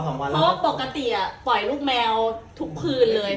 เพราะว่าปกติปล่อยลูกแมวถูกพื้นเลย